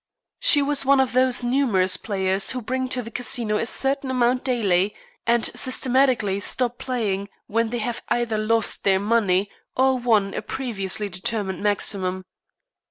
She was one of those numerous players who bring to the Casino a certain amount daily, and systematically stop playing when they have either lost their money or won a previously determined maximum.